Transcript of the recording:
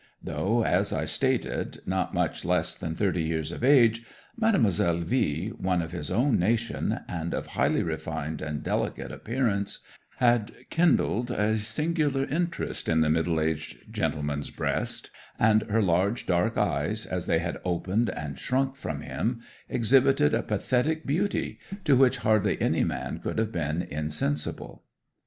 Though, as I stated, not much less than thirty years of age, Mademoiselle V , one of his own nation, and of highly refined and delicate appearance, had kindled a singular interest in the middle aged gentleman's breast, and her large dark eyes, as they had opened and shrunk from him, exhibited a pathetic beauty to which hardly any man could have been insensible.